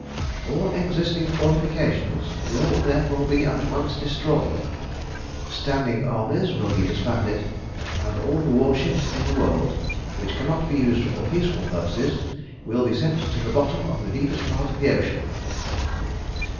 All existing fortifications will therefore be at once destroyed, standing armies will be disbanded, and all the warships in the world, which cannot be used for peaceful purposes, will be sent to the bottom of the deepest part of the ocean.